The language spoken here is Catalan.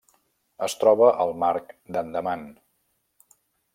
Es troba al Mar d'Andaman.